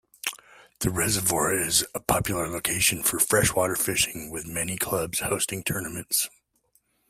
The reservoir is a popular location for freshwater fishing with many clubs hosting tournaments.